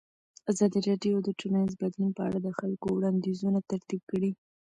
ازادي راډیو د ټولنیز بدلون په اړه د خلکو وړاندیزونه ترتیب کړي.